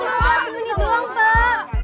terima kasih menitulah pak